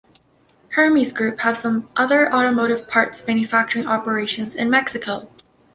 Hermes-Group have some other automotive parts manufacturing operations in Mexico.